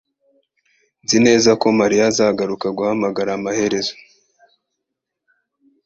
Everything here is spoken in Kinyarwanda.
Nzi neza ko mariya azagaruka guhamagara amaherezo